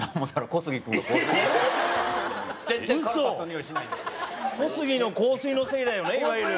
「小杉の香水のせいだよ」ねいわゆる。